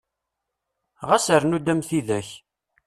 Ɣas rnu-d am tidak!